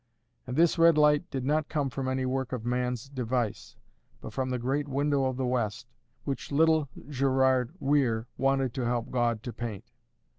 And this red light did not come from any work of man's device, but from the great window of the west, which little Gerard Weir wanted to help God to paint.